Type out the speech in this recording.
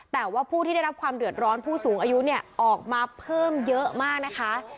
แต่ว่าผู้ที่ได้รับความเดือดร้อนผู้สูงอายุเนี่ยออกมาเพิ่มเยอะมากนะคะ